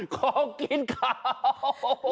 ของกินขาว